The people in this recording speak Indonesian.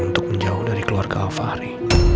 untuk menjauh dari keluarga alfari